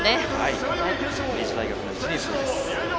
明治大学の１年生です。